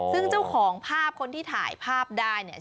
ซึ่งเจ้าของภาพคนที่ถ่ายภาพได้เนี่ย